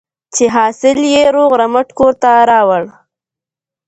چې حاصل یې روغ رمټ کور ته راوړ.